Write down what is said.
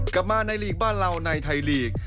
กลับมาในลีกบ้านเราในไทยลีก